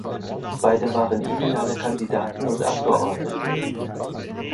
Beide waren ideale Kandidaten und Abgeordnete.